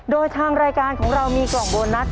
โดยทางรายการของเรามีกล่องโบนัส